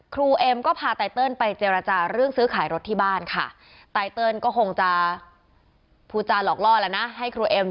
ครูเอ็มก็พาไตเติลไปเจรจาเรื่องซื้อขายรถที่บ้านค่ะ